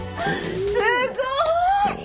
すごーい！